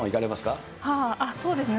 そうですね。